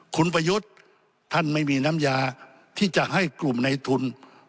คุณประยุทธ์ท่านไม่มีน้ำยาที่จะให้กลุ่มในทุน